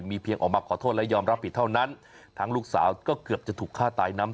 เพียงออกมาขอโทษและยอมรับผิดเท่านั้นทั้งลูกสาวก็เกือบจะถูกฆ่าตายน้ำ